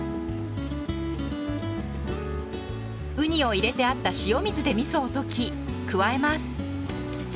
ウニを入れてあった塩水でみそを溶き加えます。